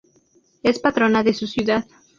Es patrona de su ciudad.